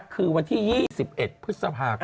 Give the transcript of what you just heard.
คือวันที่๒๑พฤษภาคม